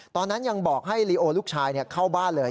ตอนนั้นยังบอกให้ลีโอลูกชายเข้าบ้านเลย